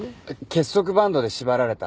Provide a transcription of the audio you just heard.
結束バンドで縛られた？